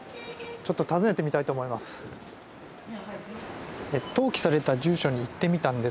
ちょっと訪ねてみたいと思います。